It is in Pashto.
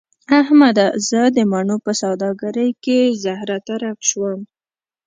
احمده! زه د مڼو په سوداګرۍ کې زهره ترکی شوم.